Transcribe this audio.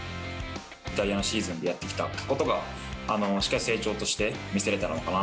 イタリアのシーズンでやってきたことがしっかり成長として見せれたのかな。